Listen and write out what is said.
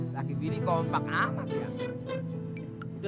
laki bini kompak amat ya